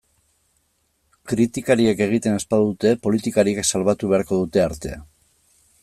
Kritikariek egiten ez badute, politikariek salbatu beharko dute artea.